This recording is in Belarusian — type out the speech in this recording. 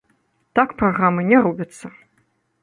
Так праграмы не робяцца.